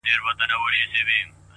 كېداى سي بيا ديدن د سر په بيه وټاكل سي؛